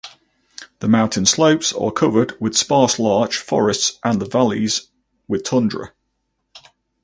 The mountain slopes are covered with sparse larch forests and the valleys with tundra.